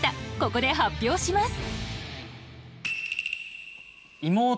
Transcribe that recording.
ここで発表します。